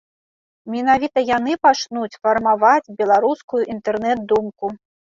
Менавіта яны пачнуць фармаваць беларускую інтэрнэт-думку.